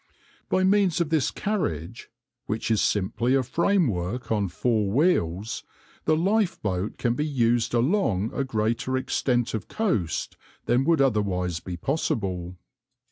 By means of this carriage, which is simply a framework on four wheels, the lifeboat can be used along a greater extent of coast than would otherwise be possible.